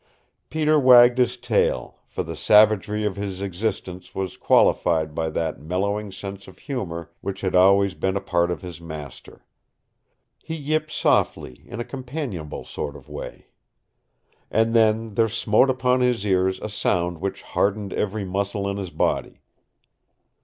Peter wagged his tail, for the savagery of his existence was qualified by that mellowing sense of humor which had always been a part of his master. He yipped softly, in a companionable sort of way. And then there smote upon his ears a sound which hardened every muscle in his body.